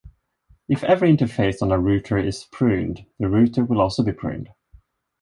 If every interface on a router is pruned, the router will also be pruned.